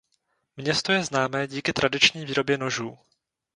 Město je známé díky tradiční výrobě nožů.